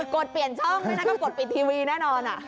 ดเปลี่ยนช่องไม่น่าก็กดปิดทีวีแน่นอน